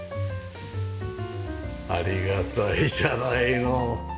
ありがたいじゃないの。